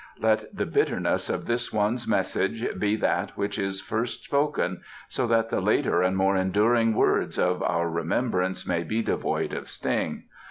"Let the bitterness of this one's message be that which is first spoken, so that the later and more enduring words of our remembrance may be devoid of sting.